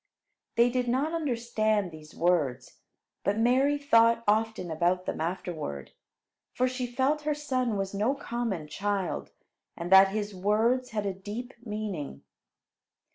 They did not understand these words; but Mary thought often about them afterward; for she felt her son was no common child, and that his words had a deep meaning.